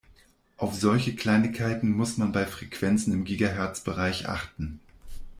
Auf solche Kleinigkeiten muss man bei Frequenzen im Gigahertzbereich achten.